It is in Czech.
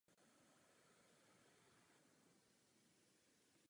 Skutečností je, že Parlament nepřipustí jakékoli podkopávání acquis communautaire.